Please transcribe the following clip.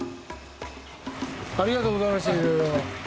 ありがとうございましたいろいろ。